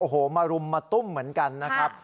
โอ้โหมารุมมาตุ้มเหมือนกันนะครับ